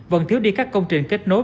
vẫn thiếu đi các công trình kết nối